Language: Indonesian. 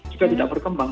juga tidak berkembang